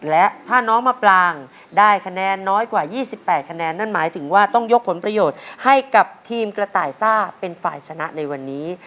และถ้าน้องมาปลางได้คะแนนน้อยกว่า๒๘คะแนนนั่นหมายถึงว่าต้องยกผลประโยชน์ให้กับทีมกระต่ายซ่าเป็นฝ่ายชนะในวันนี้